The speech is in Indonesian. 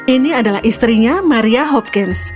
ini adalah istrinya maria hopkins